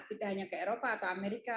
kita hanya ke eropa atau amerika